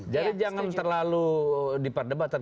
jadi jangan terlalu diperdebatan